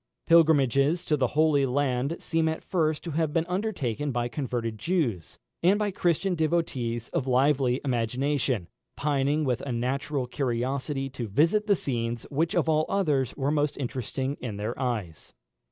Pilgrimages to the Holy Land seem at first to have been undertaken by converted Jews, and by Christian devotees of lively imagination, pining with a natural curiosity to visit the scenes which of all others were most interesting in their eyes.